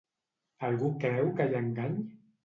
Algú creu que hi ha engany?